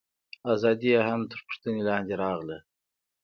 ازادي یې هم تر پوښتنې لاندې راغله.